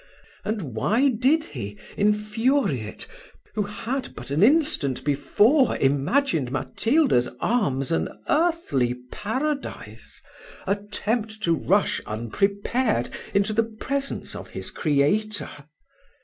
and why did he, infuriate, who had, but an instant before, imagined Matilda's arms an earthly paradise, attempt to rush unprepared into the presence of his Creator!